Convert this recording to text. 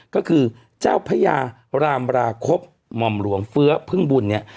ก็คือเจ้าพญารามราคบหม่อมหลวงเฟื้อพึ่งบุญเนี่ย